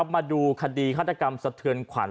มาดูคดีฆาตกรรมสะเทือนขวัญ